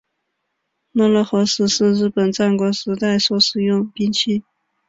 焙烙火矢是日本战国时代所使用兵器。